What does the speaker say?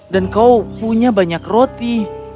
dan kau punya banyak roti